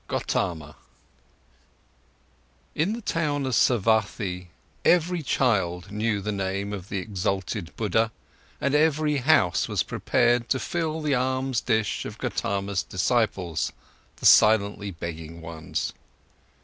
GOTAMA In the town of Savathi, every child knew the name of the exalted Buddha, and every house was prepared to fill the alms dish of Gotama's disciples, the silently begging ones.